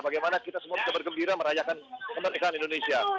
bagaimana kita semua bisa bergembira merayakan kemerdekaan indonesia